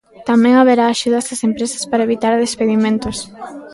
Tamén haberá axudas ás empresas para evitar despedimentos.